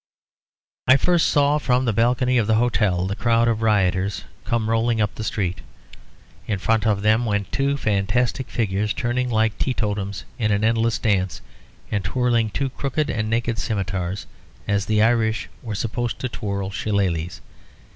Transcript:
I first saw from the balcony of the hotel the crowd of riotors come rolling up the street. In front of them went two fantastic figures turning like teetotums in an endless dance and twirling two crooked and naked scimitars, as the Irish were supposed to twirl shillelaghs.